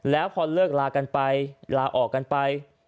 แล้วพอเลิกลาออกกันไป